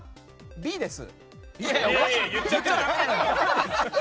Ｂです。